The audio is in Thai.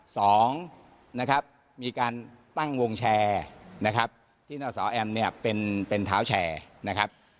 สองมีการตั้งวงแชร์ที่เนาสอแอมมีเป็นเท้าแชร์